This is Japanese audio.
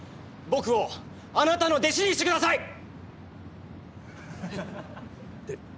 僕をあなたの弟子にしてください！